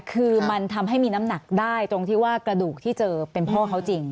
คือมันทำให้มีน้ำหนักได้ตรงที่ว่ากระดูกที่เจอเป็นพ่อเขาจริง